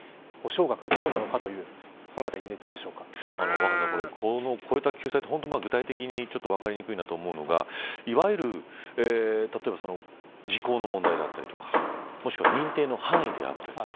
若狭さん、法を超えた救済って具体的に分かりにくいなと思うのが例えば、時効の問題だったりとかもしくは認定の範囲であったりとか。